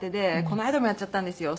この間もやっちゃったんですよ。